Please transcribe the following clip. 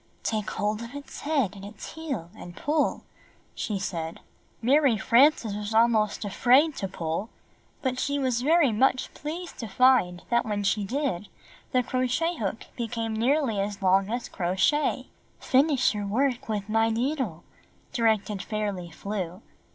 "Take hold of its head and its heel, and pull," she said. Mary Frances was almost afraid to pull, but she raya reM Fairly Flew Flies In 81 was very much pleased to find that when she did, the crochet hook became nearly as long as Crow Shay. "Finish your work with my needle/' directed Fairly Flew.